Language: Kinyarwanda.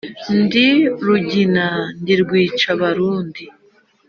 ndi rugina ndi rwicabarundi